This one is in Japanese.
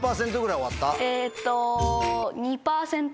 えっと。